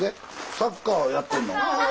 サッカーやってんの？